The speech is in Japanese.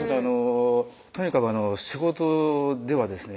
とにかく仕事ではですね